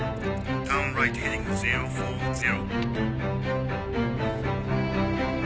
ターンライトヘディング０４０。